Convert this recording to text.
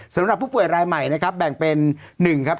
สำหรับผู้ป่วยรายใหม่นะครับแบ่งเป็น๑ครับ